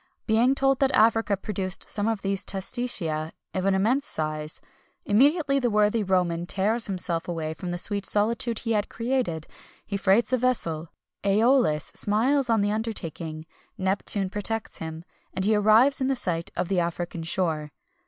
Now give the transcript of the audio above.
Being told that Africa produced some of these testacea of an immense size, immediately the worthy Roman tears himself away from the sweet solitude he had created; he freights a vessel, Æolus smiles on the undertaking, Neptune protects him, and he arrives in sight of the African shore.